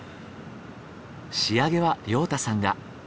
仕上げは亮太さんが。